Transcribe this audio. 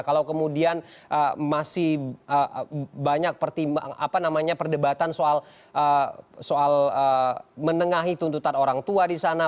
kalau kemudian masih banyak perdebatan soal menengahi tuntutan orang tua di sana